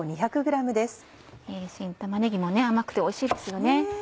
新玉ねぎも甘くておいしいですよね。